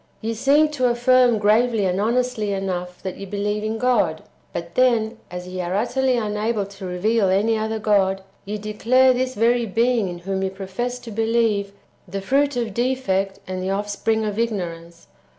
Ye seem to affirm gravely and honestly enough that ye believe in God; but then, as ye are utterly unable to reveal any other God, ye declare this very Being in whom ye profess to believe, the fruit of defect and the offspring of ignorance.